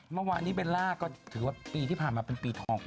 เมื่อวานนี้เบลล่าก็ถือว่าปีที่ผ่านมาเป็นปีทอง